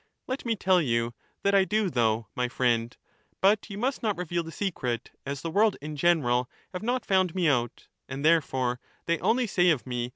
Let me tell you that I do though, my friend : but you Socrates a must not reveal the secret, as the world in general have not By^^^^sig found me out ; and therefore they only say of me, that I am a secret.